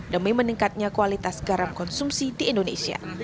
demi meningkatnya kualitas garam konsumsi di indonesia